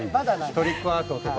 トリックアートとか。